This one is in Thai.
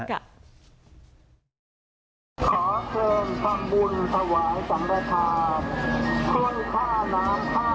ขอเคยทำบุญสวายสำราคาท่วนฆ่าน้ำฆ่าฟัง